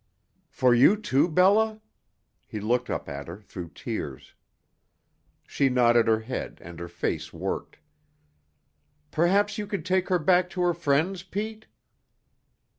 "For you too, Bella?" He looked up at her through tears. She nodded her head, and her face worked. "Perhaps you could take her back to her friends, Pete?"